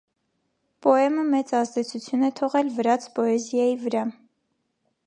Պոեմը մեծ ազդեցություն է թողել վրաց պոեզիայի վրա։